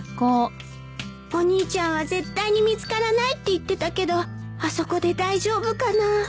お兄ちゃんは絶対に見つからないって言ってたけどあそこで大丈夫かな？